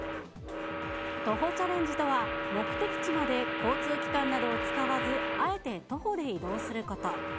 徒歩チャレンジとは目的地まで交通機関などを使わず、あえて徒歩で移動すること。